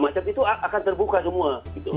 macam itu akan terbuka semua